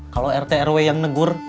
kalau rt rw yang negur